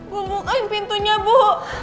bu bukain pintunya bu